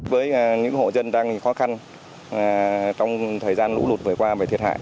với những hộ dân đang khó khăn trong thời gian lũ lụt vừa qua về thiệt hại